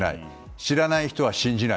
知らない人は信じない。